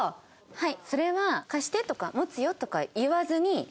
はい。